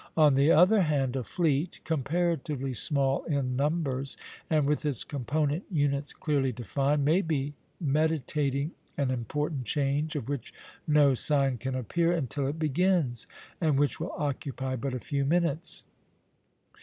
On the other hand, a fleet, comparatively small in numbers and with its component units clearly defined, may be meditating an important change of which no sign can appear until it begins, and which will occupy but a few minutes.